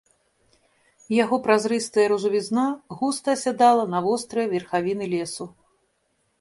Яго празрыстая ружавізна густа асядала на вострыя верхавіны лесу.